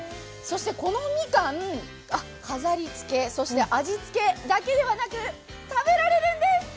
そして、このみかん飾りつけ、味つけだけではなく食べられるんです！